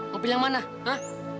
mau pilih yang mana rah